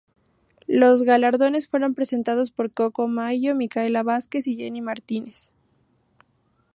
Los galardones fueron presentados por Coco Maggio, Micaela Vázquez y Jenny Martínez.